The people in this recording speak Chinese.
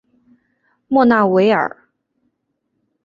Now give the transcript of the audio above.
莫纳维尔。